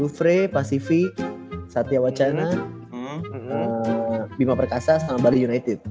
lufre pasifi satya wacana bima perkasa sama bali united